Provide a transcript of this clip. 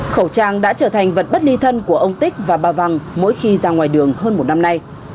khẩu trang đã trở thành vật bất ly thân của ông tích và bà văng mỗi khi ra ngoài đường hơn một năm nay